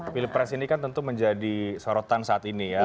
karena pilpres ini kan tentu menjadi sorotan saat ini ya